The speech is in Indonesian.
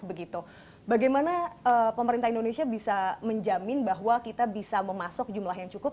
bagaimana pemerintah indonesia bisa menjamin bahwa kita bisa memasuk jumlah yang cukup